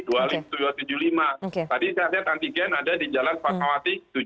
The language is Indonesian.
tadi saatnya antigen ada di jalan pak mawati tujuh puluh lima